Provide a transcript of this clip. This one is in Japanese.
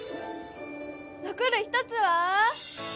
残る１つは。